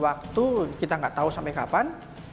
waktu kita nggak tahu sampai kapan